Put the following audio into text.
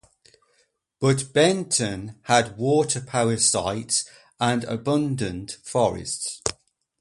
But Benton had water power sites and abundant forests.